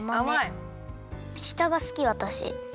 したがすきわたし。